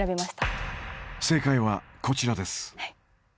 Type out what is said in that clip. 正解はこちらです。